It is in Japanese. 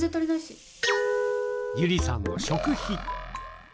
友梨さんの食費。